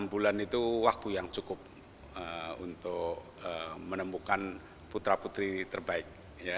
enam bulan itu waktu yang cukup untuk menemukan putra putri terbaik